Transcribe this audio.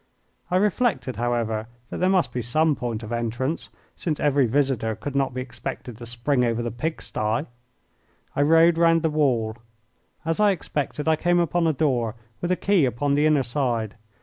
I reflected, however, that there must be some point of entrance, since every visitor could not be expected to spring over the pig sty. I rode round the wall. As I expected, I came upon a door with a key upon the inner side.